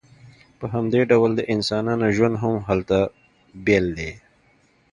په همدې ډول د انسانانو ژوند هم هلته بیل دی